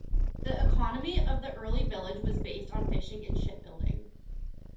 The economy of the early village was based on fishing and ship building.